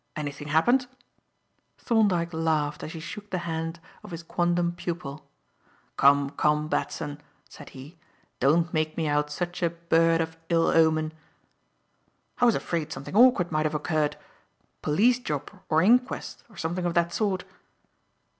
Anything happened?" Thorndyke laughed as he shook the hand of his quondam pupil. "Come, come, Batson," said he, "don't make me out such a bird of ill omen." "I was afraid something awkward might have occurred, police job or inquest or something of that sort."